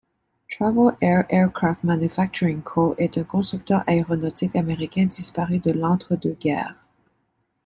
Travel Air Aircraft Manufacturing Co est un constructeur aéronautique américain disparu de l'Entre-deux-guerres.